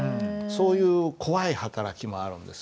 そういう怖い働きもあるんです。